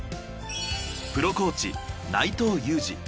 プロコーチ内藤雄士。